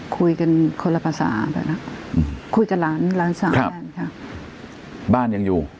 คุยกันคนละภาษาแบบนั้นอืมคุยกับหลานหลานสามครับบ้านยังอยู่